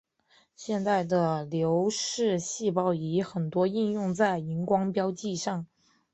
现代的流式细胞仪很多应用在荧光标记上。